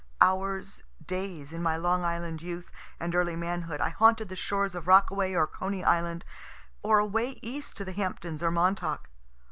Hours, days, in my Long Island youth and early manhood, I haunted the shores of Rockaway or Coney island, or away east to the Hamptons or Montauk.